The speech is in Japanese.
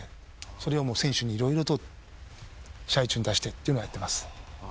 それを選手に色々と試合中に出してっていうのをやってます。